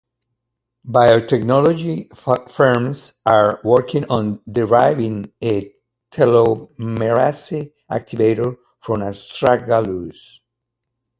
Biotechnology firms are working on deriving a telomerase activator from "Astragalus".